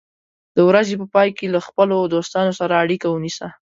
د ورځې په پای کې له خپلو دوستانو سره اړیکه ونیسه.